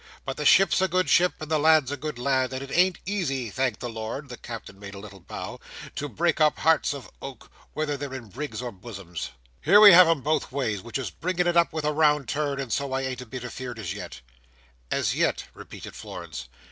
But the ship's a good ship, and the lad's a good lad; and it ain't easy, thank the Lord," the Captain made a little bow, "to break up hearts of oak, whether they're in brigs or buzzums. Here we have 'em both ways, which is bringing it up with a round turn, and so I ain't a bit afeard as yet." "As yet?" repeated Florence.